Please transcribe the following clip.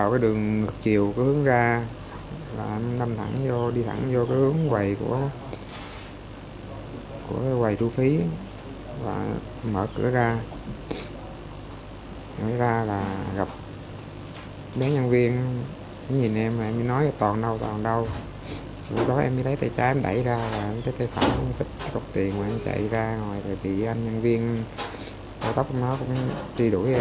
cọc tiền mà anh chạy ra ngoài tại vì anh nhân viên tàu tóc của nó cũng đi đuổi ra